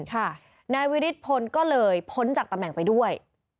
นายวิริธพลก็เลยพ้นจากตำแหน่งไปด้วย